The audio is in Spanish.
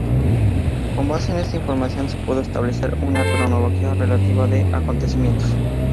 Con base en esta información se pudo establecer una cronología relativa de los acontecimientos.